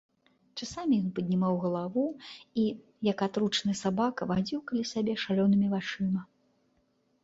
Часамі ён паднімаў галаву і, як атручаны сабака, вадзіў каля сябе шалёнымі вачыма.